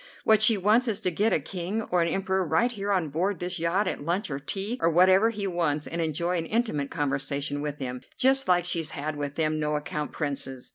What she wants is to get a King or an Emperor right here on board this yacht at lunch or tea, or whatever he wants, and enjoy an intimate conversation with him, just like she's had with them no account Princes.